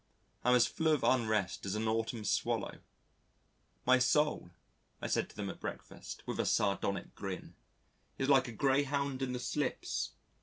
I am as full of unrest as an autumn Swallow. "My soul," I said to them at breakfast with a sardonic grin, "is like a greyhound in the slips.